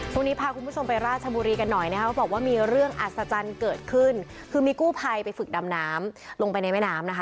พาคุณผู้ชมไปราชบุรีกันหน่อยนะครับเขาบอกว่ามีเรื่องอัศจรรย์เกิดขึ้นคือมีกู้ภัยไปฝึกดำน้ำลงไปในแม่น้ำนะคะ